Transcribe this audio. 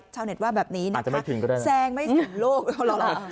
ชาวเน็ตว่าแบบนี้นะครับอาจจะไม่ถึงก็ได้